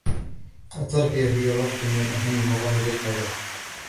التربية هي واحد من أهم مظاهر الحياة.